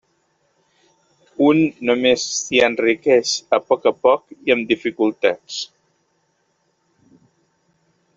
Un només s'hi enriqueix a poc a poc i amb dificultats.